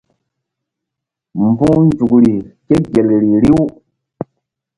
Mbu̧h nzukri ke gel ri riw.